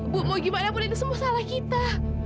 bu mau gimana pun ini semua salah kita